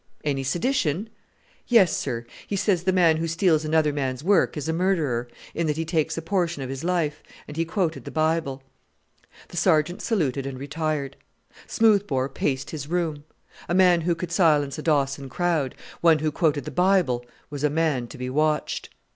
"Any sedition?" "Yes, sir. He says the man who steals another man's work is a murderer, in that he takes a portion of his life; and he quoted the Bible." The Sergeant saluted and retired. Smoothbore paced his room. A man who could silence a Dawson crowd one who quoted the Bible was a man to be watched!